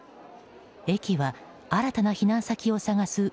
駅は新たな避難先を探す